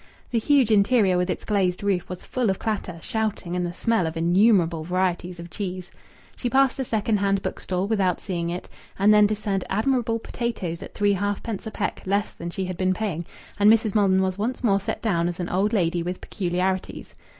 The huge interior, with its glazed roof, was full of clatter, shouting, and the smell of innumerable varieties of cheese. She passed a second hand bookstall without seeing it, and then discerned admirable potatoes at three halfpence a peck less than she had been paying and Mrs. Maldon was once more set down as an old lady with peculiarities.